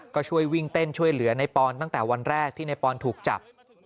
ก็ช่วยวิ่งเต้นช่วยเหลือในปอนตั้งแต่วันแรกที่ในปอนถูกจับ